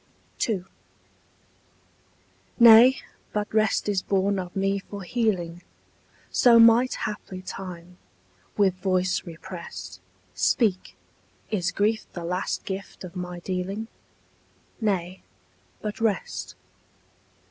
II. Nay, but rest is born of me for healing, —So might haply time, with voice represt, Speak: is grief the last gift of my dealing? Nay, but rest.